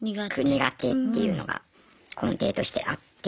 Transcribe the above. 苦手っていうのが根底としてあって。